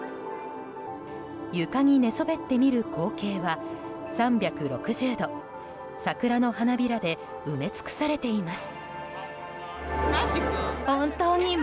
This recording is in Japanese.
床に寝そべって見る光景は３６０度、桜の花びらで埋め尽くされています。